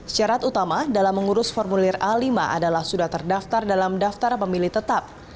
syarat utama dalam mengurus formulir a lima adalah sudah terdaftar dalam daftar pemilih tetap